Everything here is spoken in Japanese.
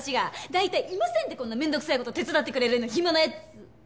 大体いませんってこんな面倒くさい事手伝ってくれるような暇な奴。